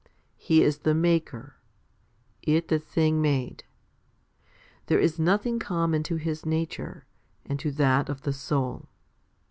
He is the Maker; it the thing made. There is nothing common to His nature, and to that of the soul.